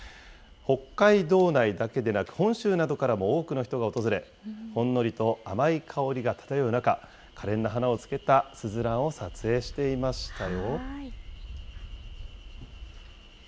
北海道内だけでなく、本州などからも多くの人が訪れ、ほんのりと甘い香りが漂う中、かれんな花をつけたすずらんを撮影していましたよ。